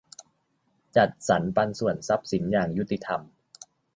จัดสรรปันส่วนทรัพย์สินอย่างยุติธรรม